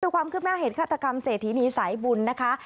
ความคืบหน้าเหตุฆาตกรรมเศรษฐีนีสายบุญนะคะ